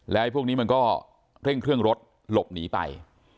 แล้วพวกนี้มันก็เร่งเครื่องรถหลบหนีไป